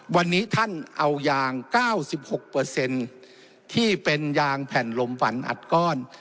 วันนี้ท่านเอายางเก้าสิบหกเปอร์เซ็นต์ที่เป็นยางแผ่นลมฝันอัดก้อน